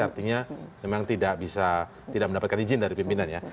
artinya memang tidak bisa tidak mendapatkan izin dari pimpinan ya